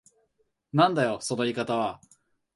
なんだよその言い方は。